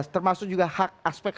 termasuk juga hak aspek